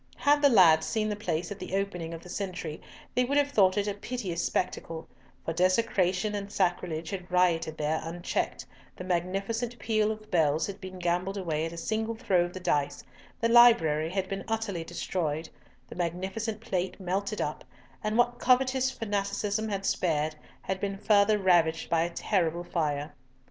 Had the lads seen the place at the opening of the century they would have thought it a piteous spectacle, for desecration and sacrilege had rioted there unchecked, the magnificent peal of bells had been gambled away at a single throw of the dice, the library had been utterly destroyed, the magnificent plate melted up, and what covetous fanaticism had spared had been further ravaged by a terrible fire.